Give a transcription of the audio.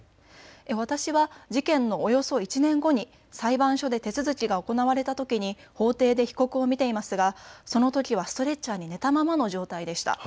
私は事件のおよそ１年後に裁判所で手続きが行われたときに法廷で被告を見ていますがそのときはストレッチャーに寝たままの状態でした。